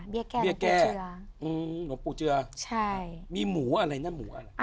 แก้เบี้ยแก้อืมหลวงปู่เจือใช่มีหมูอะไรนะหมูอะไร